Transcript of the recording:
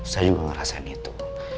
saya juga ngerasain itu